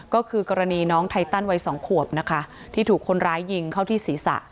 ก็คือกรณีน้องไทตันวัยสองขวบนะคะที่ถูกคนร้ายยิงเข้าที่ศีรษะ